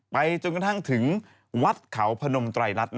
จนกระทั่งถึงวัดเขาพนมไตรรัฐ